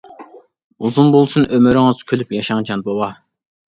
ئۇزۇن بولسۇن ئۆمرىڭىز، كۈلۈپ ياشاڭ جان بوۋا.